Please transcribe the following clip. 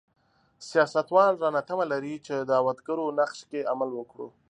سیاستوال رانه تمه لري چې دعوتګرو نقش کې عمل وکړو.